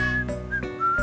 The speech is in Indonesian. prawal saja bawah ceritanya